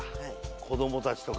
子供たちとか。